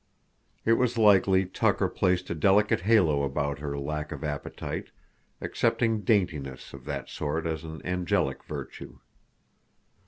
It was likely Tucker placed a delicate halo about her lack of appetite, accepting daintiness of that sort as an angelic virtue.